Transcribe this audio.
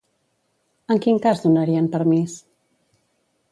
En quin cas donarien permís?